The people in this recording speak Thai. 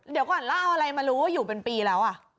เดี๋ยวก่อนแล้วเอาอะไรมารู้ว่าอยู่เป็นปีแล้ว